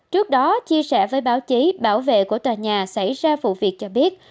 trước đó chia sẻ với báo chí bảo vệ của tòa nhà xảy ra vụ việc cho biết